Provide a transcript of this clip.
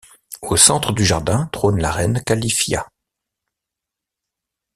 Au centre du jardin trône la reine Califia.